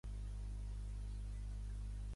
Allardyce nega haver pres o demanat un "tap".